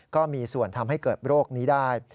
ก็มีส่วนทำให้เกิดโรคนี้ได้